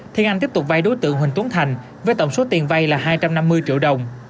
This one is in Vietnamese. thiên anh tiếp tục vay đối tượng huỳnh tuấn thành với tổng số tiền vay là hai trăm năm mươi triệu đồng